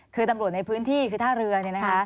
คือตำรวจในพื้นที่คือท่าเรือเนี่ยนะคะ